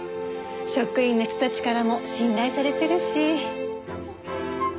職員の人たちからも信頼されてるし。